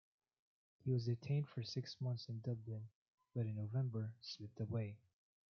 He was detained for six months in Dublin, but in November slipped away.